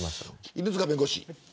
犬塚弁護士。